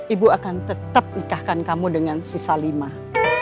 ibu akan tetap nikahkan kamu dengan si salimah